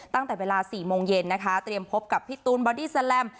ตั้งแต่เวลา๔โมงเย็นนะคะเตรียมพบกับพี่ตูนบอดี้แลม